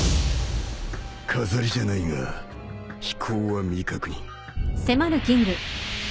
飾りじゃないが飛行は未確認